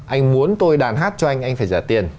anh muốn tôi đàn hát cho anh anh phải trả tiền